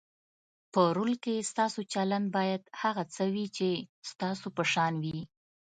په رول کې ستاسو چلند باید هغه څه وي چې ستاسو په شان وي.